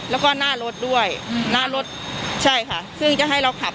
แล้วก็หน้ารถด้วยหน้ารถใช่ค่ะซึ่งจะให้เราขับ